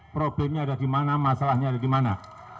problemnya ada di mana masalahnya ada di mana